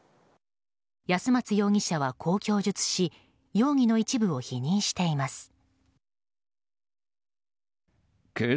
安松容疑者はこう供述し容疑の一部を否認しています。